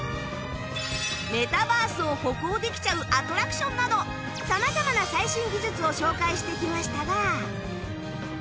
メタバースを歩行できちゃうアトラクションなど様々な最新技術を紹介してきましたが